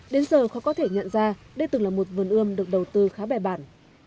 đến giờ khó có thể nhận ra đây từng là một vườn ươm được đầu tư khá bè bản